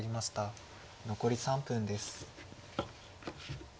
残り３分です。